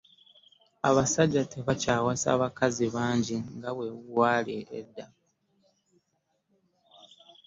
abasajja tebakyawasa bakazi bangi nga bwe gwali edda